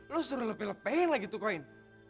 lo suruh lepe lepel lagi tuh koin